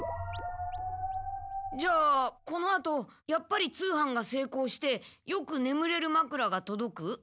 じゃあこのあとやっぱり通販がせいこうしてよくねむれるマクラがとどく？